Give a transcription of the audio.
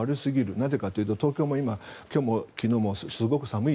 なぜかというと東京も今、今日も昨日もすごく寒い。